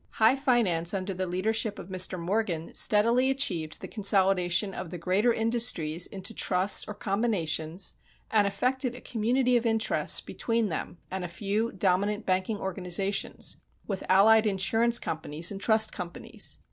High finance under the leadership of Mr. Morgan steadily achieved the consolidation of the greater industries into trusts or combinations and effected a community of interests between them and a few dominant banking organizations, with allied insurance companies and trust companies.